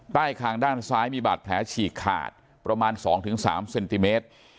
คางด้านซ้ายมีบาดแผลฉีกขาดประมาณ๒๓เซนติเมตร